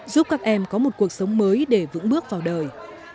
giúp các em có một cuộc sống mới để vững bước vào đời